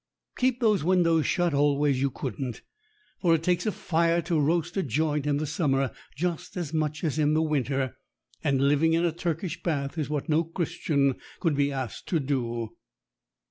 Keep those windows shut always you couldn't. For it takes a fire to roast a joint in the summer just as much as in the winter, and living in a Turkish bath is what no Christian could be asked to do.